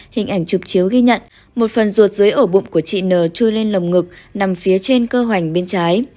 hình ảnh chụp chiếu ghi nhận một phần ruột dưới ổ bụng của chị nờ trôi lên lồng ngực nằm phía trên cơ hoành bên trái